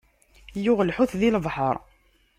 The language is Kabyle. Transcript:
Yuɣ lḥut, di lebḥeṛ.